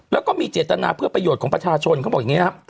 แล้วก็มีเจตนาเพื่อประโยชน์ของประชาชนเขาบอกอย่างนี้ครับ